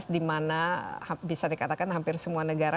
di mana bisa dikatakan hampir semua negara